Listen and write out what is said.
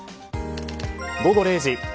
午後０時。